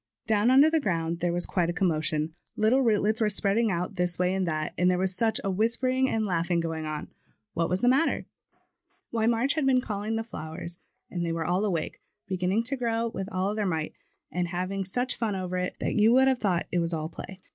Down under the ground there was quite a commotion; little rootlets were spreading out this way and that, and there was such a whispering and laughing going on! What was the matter? Why, March had been calling the flowers, and they were all awake, beginning to grow with all their might, and having such fun over MARCH'S CALL. 27 it that you would have thought it was all play.